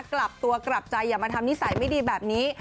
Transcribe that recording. กลับตัวกลับใจอย่ามาทำนิสัยไม่ดีแบบนี้